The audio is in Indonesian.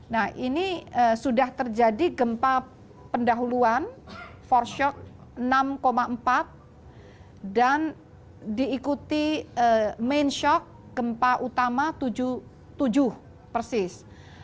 nah ini sudah terjadi gempa pendahuluan for shock enam empat dan diikuti main shock gempa utama tujuh puluh tujuh persis